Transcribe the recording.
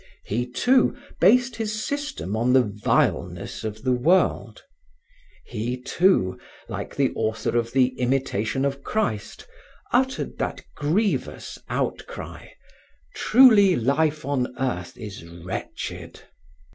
He, too, based his system on the vileness of the world; he, too, like the author of the Imitation of Christ, uttered that grievous outcry: "Truly life on earth is wretched."